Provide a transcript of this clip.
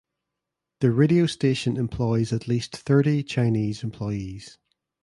The radio station employs at least thirty Chinese employees.